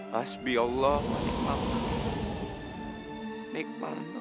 hasbiallah wa nikmal ma'al